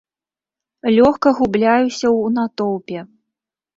Лёгка губляюся ў натоўпе.